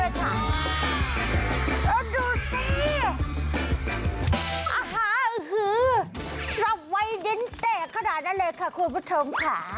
อ่าฮะหือสวัยดินเตะขนาดนั้นเลยค่ะคุณผู้ชมค่ะ